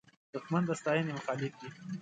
دښمن د ستاینې مخالف وي